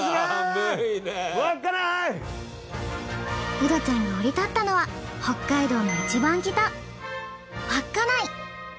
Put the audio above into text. ウドちゃんが降り立ったのは北海道のいちばん北稚内。